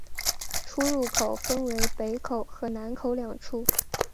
出入口分为北口与南口两处。